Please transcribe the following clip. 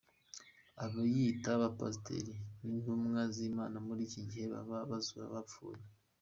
Abiyita abapasiteri n’intumwa z’Imana muri iki gihe baba bazura abapfuye?.